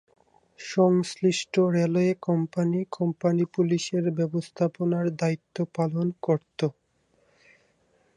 সংশ্লিষ্ট railway company ’company পুলিশে’র ব্যবস্থাপনার দায়িত্ব পালন করত।